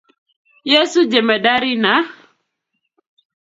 Yesu jemedar na